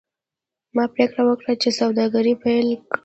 ما پریکړه وکړه چې سوداګري پیل کړم.